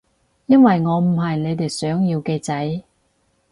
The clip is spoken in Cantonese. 因為我唔係你哋想要嘅仔